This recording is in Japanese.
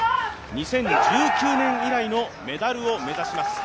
２０１９年以来のメダルを目指します。